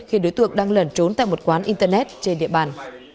khi đối tượng đang lẩn trốn tại một quán internet trên địa bàn